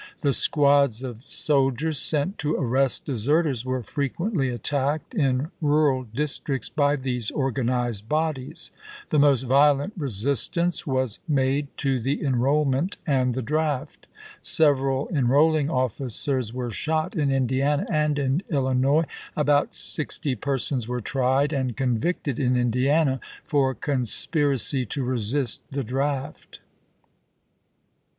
The squads of soldiers sent to aiTest deserters were frequently attacked in rural districts by these organized bodies ; the most ^dolent resistance was CONSPIRACIES IN THE NOETH 5 made to the enrollment and the draft. Several chap.i. enrolling officers were shot in Indiana and in Illinois; about sixty persons were tried and convicted in thTjKe Indiana for conspiracy to resist the draft.